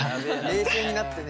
冷静になってね。